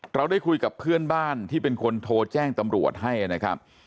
เราได้คุยกับเพื่อนบ้านที่เป็นคนโทรแจ้งตำรวจให้นะครับ